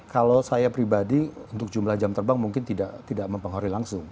kalau saya pribadi untuk jumlah jam terbang mungkin tidak mempengaruhi langsung